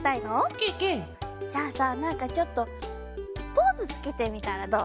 ケケ！じゃあさなんかちょっとポーズつけてみたらどう？